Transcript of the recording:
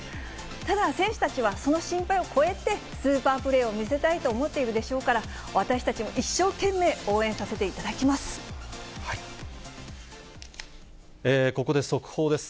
ただ、選手たちはその心配を超えて、スーパープレーを見せたいと思っているでしょうから、私たちも一ここで速報です。